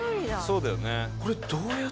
そうだよね。